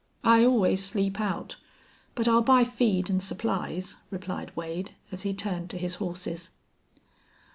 "I always sleep out. But I'll buy feed an' supplies," replied Wade, as he turned to his horses.